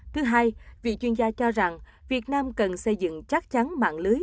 thứ hai vị chuyên gia cho rằng việt nam cần xây dựng chắc chắn mạng lưới